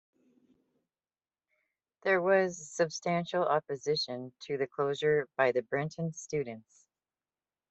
There was substantial opposition to the closure by the Bretton students.